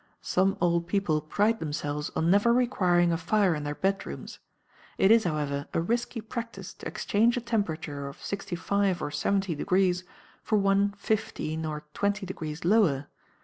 Some old people pride themselves on never requiring a fire in their bed rooms. It is, however, a risky practice to exchange a temperature of 65° or 70° for one fifteen or twenty degrees lower.